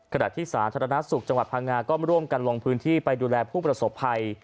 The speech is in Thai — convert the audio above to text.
ขณะที่สาธารณสุขจังหวัดพังงาก็ร่วมกันลงพื้นที่ไปดูแลผู้ประสบภัย